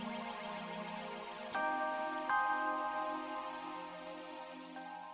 udah gue mau